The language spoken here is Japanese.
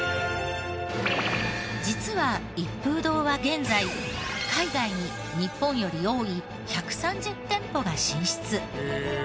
実は一風堂は現在海外に日本より多い１３０店舗が進出。